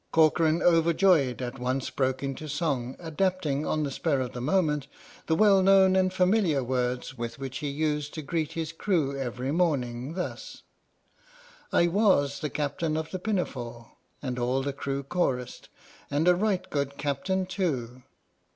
Corcoran, overjoyed, at once broke into song, adapting, on the spur of the moment, the well known and familiar words with which he used to greet his crew every morning, thus: I was the Captain of the Pinafore ! And all the crew chorused : And a right good Captain too!